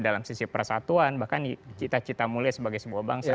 dalam sisi persatuan bahkan cita cita mulia sebagai sebuah bangsa